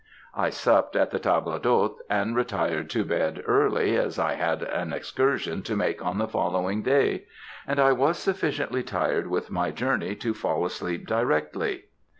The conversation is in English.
"I supped at the table d'hôte, and retired to bed early, as I had an excursion to make on the following day; and I was sufficiently tired with my journey to fall asleep directly.